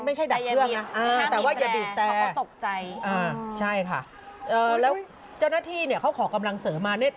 นะแต่ว่าจะดูดแตอ๋อใช่ค่ะแล้วเจ้าหน้าที่เนี่ยเขาขอกำลังเสริมมา